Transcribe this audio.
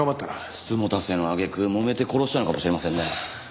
美人局の揚げ句もめて殺したのかもしれませんね。